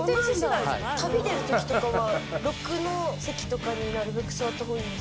旅出るときとかは６の席とかになるべく座った方がいいんですか？